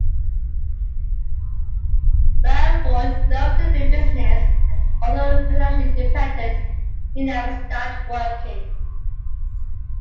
Melford loved the film business, and although financially independent, he never stopped working.